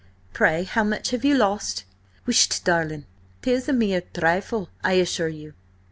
Pray, how much have you lost?" "Whisht, darlin', 'tis a mere thrifle, I assure you.